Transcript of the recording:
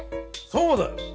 そうだよ！